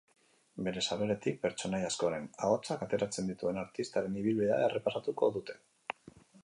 Bere sabeletik pertsonaia askoren ahotsak ateratzen dituen artistaren ibilbidea errepasatuko dute.